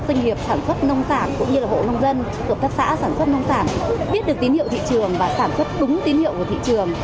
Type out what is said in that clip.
các đồng nghiệp sản xuất nông sản cũng như hộ nông dân cộng tác xã sản xuất nông sản biết được tín hiệu thị trường và sản xuất đúng tín hiệu của thị trường